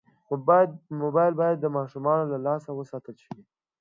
موبایل باید د ماشومانو له لاسه وساتل شي.